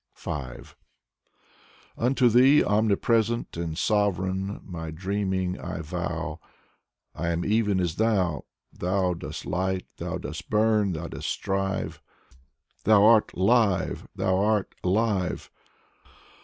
Unto thee, omnipresent and sovereign, my dreaming I vow. I am even as thou. Thou dost light, thou dost burn, thou dost strive. Thou art live, thou art *live